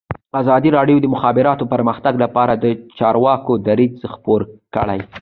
ازادي راډیو د د مخابراتو پرمختګ لپاره د چارواکو دریځ خپور کړی.